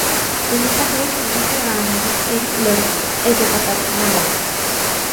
Sindikatuek ez dute gainditzerik lortu, ez eta patronalak.